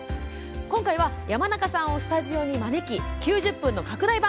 今回は山中さんをスタジオに招き９０分の拡大版。